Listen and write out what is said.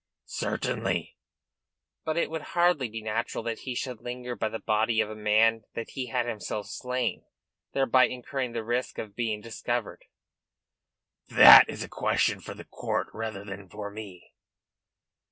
"Certainly." "But it would hardly be natural that he should linger by the body of a man he had himself slain, thereby incurring the risk of being discovered?" "That is a question for the court rather than for me."